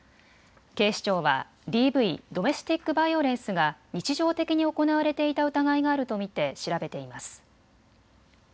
警視庁はＤＶ・ドメスティックバイオレンスが日常的に行われていた疑いがあると見て調べています。